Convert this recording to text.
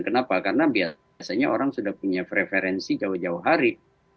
kenapa karena biasanya orang sudah punya preferensi jauh jauh hari